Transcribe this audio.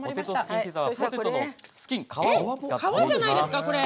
皮じゃないですか、これ！